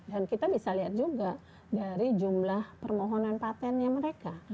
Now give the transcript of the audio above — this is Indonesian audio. dan kita bisa lihat juga dari jumlah permohonan patentnya mereka